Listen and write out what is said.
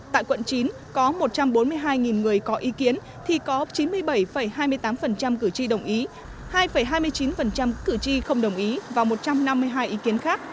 tại quận chín có một trăm bốn mươi hai người có ý kiến thì có chín mươi bảy hai mươi tám cử tri đồng ý hai hai mươi chín cử tri không đồng ý và một trăm năm mươi hai ý kiến khác